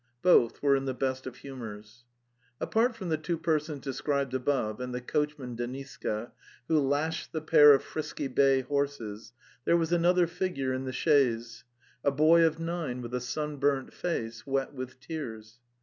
. Both were in the best of humours. Apart from the two persons described above and the coachman Deniska, who lashed the pair of frisky bay horses, there was another figure in the chaise— a boy of nine with a sunburnt face, wet with tears.